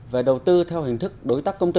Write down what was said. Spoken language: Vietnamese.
về đầu tư theo hình thức đối tác công tư